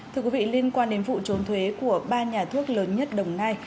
thưa quý vị liên quan đến vụ trốn thuế của ba nhà thuốc lớn nhất đồng nai